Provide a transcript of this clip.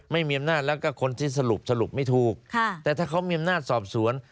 ไม่มีอำนาจแล้วก็คนที่สรุปสรุปไม่ถูกแต่ถ้าเขามีอำนาจสอบสวน